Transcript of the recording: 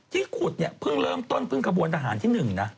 ที่ขุดเนี่ยเพิ่งเริ่มต้นพึ่งกระบวนทหารที่หนึ่งนะ